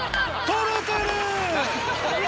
取れてる！